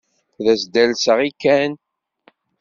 Ad as-d-alseɣ i Ken?